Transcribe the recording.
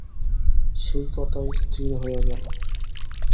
সেই কথাই স্থির হইয়া গেল।